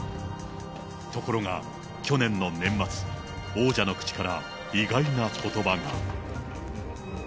ところが去年の年末、王者の口から意外なことばが。